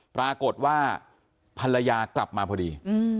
ปรากฏว่าภรรยากลับมาพอดี